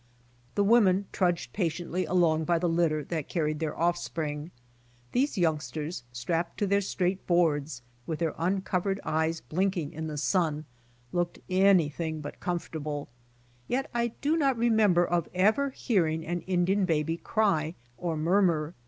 The women trudged patientlj' along by the litter that carried their offspring. These youngsters, strapped to their straight boards with their uncovered eyes blinking in the sun, looked anything but comfortable, yet I do not remember of ever hearing an Indian baby cry or murmur.